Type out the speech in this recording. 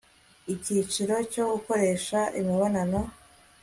icyiciro cyo gukoresha imibonano